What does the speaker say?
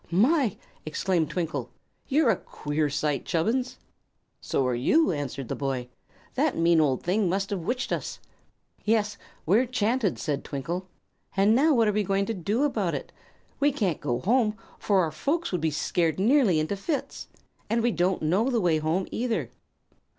"My!" exclaimed Twinkle; "you're a queer sight, Chubbins!" "So are you," answered the boy. "That mean old thing must have 'witched us." "Yes, we're 'chanted," said Twinkle. "And now, what are we going to do about it? We can't go home, for our folks would be scared nearly into fits. And we don't know the way home, either."